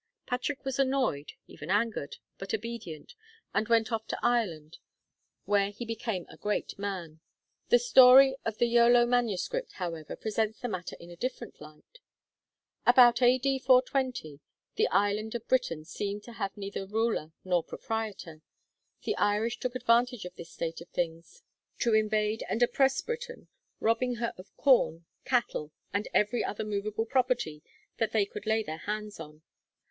Patrick was annoyed, even angered, but obedient, and went off to Ireland, where he became a great man. The story of the Iolo MSS., however, presents the matter in a different light: 'About A.D. 420 the Island of Britain seemed to have neither ruler nor proprietor.' The Irish took advantage of this state of things to invade and oppress Britain, robbing her of corn, cattle, 'and every other moveable property that they could lay their hands on.'